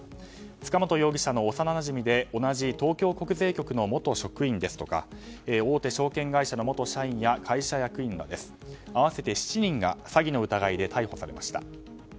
塚本容疑者の幼なじみで同じ東京国税局の元職員ですとか大手証券会社の元社員や会社役員ら合わせて７人が詐欺の疑いで逮捕されました。